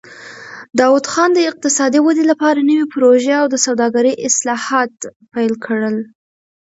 داوود خان د اقتصادي ودې لپاره نوې پروژې او د سوداګرۍ اصلاحات پیل کړل.